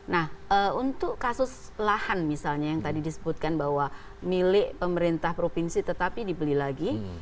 nah untuk kasus lahan misalnya yang tadi disebutkan bahwa milik pemerintah provinsi tetapi dibeli lagi